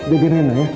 jaga nenek ya